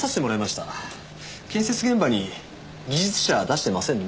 建設現場に技術者出してませんね？